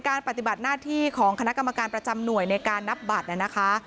ปฏิบัติหน้าที่ของคณะกรรมการประจำหน่วยในการนับบัตรนะคะ